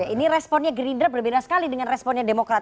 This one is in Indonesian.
ini responnya gerindra berbeda sekali dengan responnya demokrat